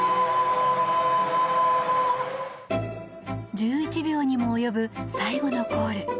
１１秒にも及ぶ最後のコール。